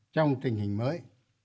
trong tình hình mới